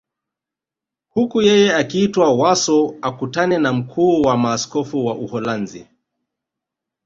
Huku yeye akiitwa Warsaw akutane na mkuu wa maaskofu wa Uholanzi